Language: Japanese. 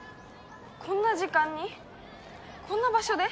こんな時間にこんな場所で？